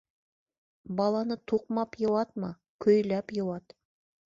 Баланы туҡмап йыуатма, көйләп йыуат.